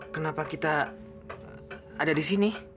kenapa kita ada di sini